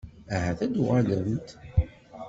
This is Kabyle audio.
Ahat ad d-uɣalent?